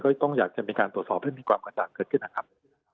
ต้องอยากจะมีการตรวจสอบให้มีความกระจ่างเกิดขึ้นนะครับ